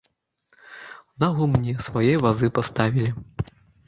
На гумне свае вазы паставілі.